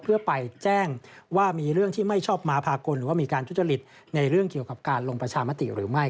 เพื่อไปแจ้งว่ามีเรื่องที่ไม่ชอบมาพากลหรือว่ามีการทุจริตในเรื่องเกี่ยวกับการลงประชามติหรือไม่